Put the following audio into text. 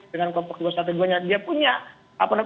dengan kelompok dua ratus dua belas nya dia punya